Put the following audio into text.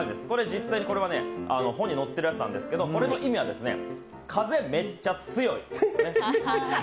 実際にこれは本に載ってるやつなんですけどこれの意味は「風めっちゃ強い」。